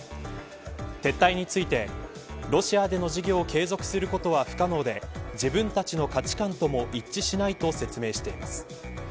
撤退についてロシアでの事業を継続することは不可能で自分たちの価値観とも一致しないと説明しました。